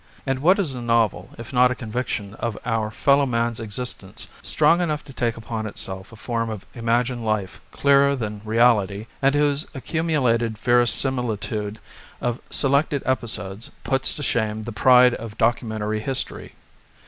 And what is a novel if not a conviction of our fellow men's existence strong enough to take upon itself a form of imagined life clearer than reality and whose accumulated verisimilitude of selected episodes puts to shame the pride of documentary history?